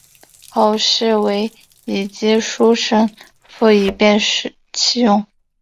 后世为之机抒胜复以便其用。